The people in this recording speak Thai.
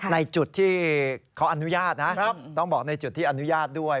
ในจุดที่เขาอนุญาตนะต้องบอกในจุดที่อนุญาตด้วย